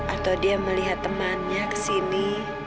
atau dia melihat temannya kesini